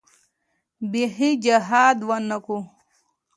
بيخي جهاد ونه کو.